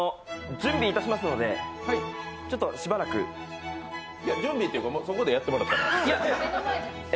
準備いたしますのでちょっとしばらく準備っていうか、そこでやってもらったらええ。